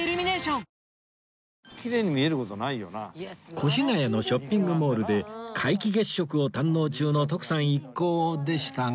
越谷のショッピングモールで皆既月食を堪能中の徳さん一行でしたが